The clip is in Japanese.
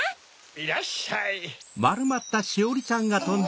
いらっしゃい。